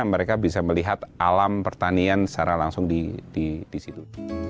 mereka bisa melihat alam pertanian secara langsung di situ